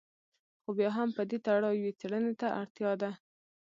خو بیا هم په دې تړاو یوې څېړنې ته اړتیا ده.